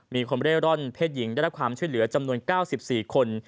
มีคนเร่ร่อนเพศหญิงได้รับความช่วยเหลือจำนวน๙๔คน